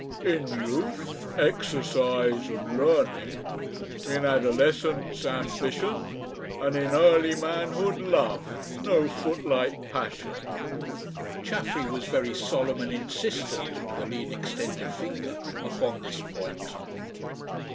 "In youth, exercise and learning; in adolescence, ambition; and in early manhood, love no footlight passion." Chaffery was very solemn and insistent, with a lean extended finger, upon this point.